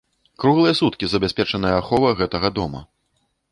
Круглыя суткі забяспечаная ахова гэтага дома.